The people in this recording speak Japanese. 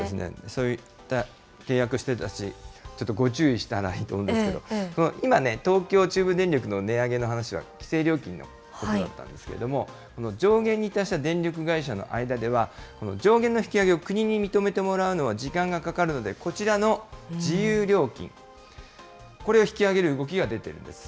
そういった契約をしている人たち、ちょっとご注意していただきたいと思うんですけれども、今ね、東京、中部電力の値上げの話は規制料金のことだったんですけれども、この上限に達した電力会社の間では、上限の引き上げを国に認めてもらうのは時間がかかるので、こちらの自由料金、これを引き上げる動きが出ているんです。